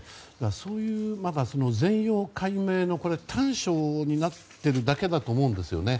そういう全容解明の端緒になっているだけだと思うんですね。